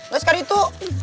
gak sekali itu